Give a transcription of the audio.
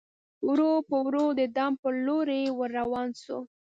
ورو په ورو د دام پر لوري ور روان سو